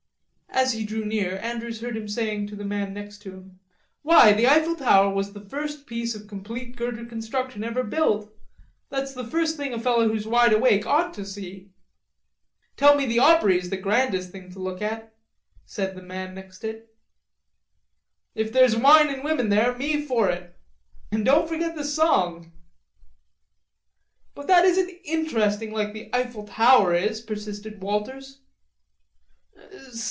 As he drew near Andrews heard him saying to the man next to him: "Why, the Eiffel tower was the first piece of complete girder construction ever built.... That's the first thing a feller who's wide awake ought to see." "Tell me the Opery's the grandest thing to look at," said the man next it. "If there's wine an' women there, me for it." "An' don't forget the song." "But that isn't interesting like the Eiffel tower is," persisted Walters.